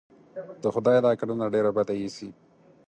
د خدای دا کړنه ډېره بده اېسي.